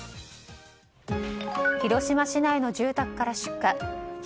広島市内の住宅から出火。